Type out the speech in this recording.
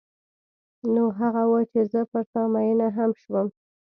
نو هغه و چې زه پر تا مینه هم شوم.